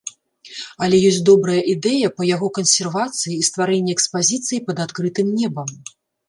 Але ёсць добрая ідэя па яго кансервацыі і стварэнні экспазіцыі пад адкрытым небам.